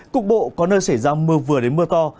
cục bộ có nơi xảy ra mưa vừa đến mưa to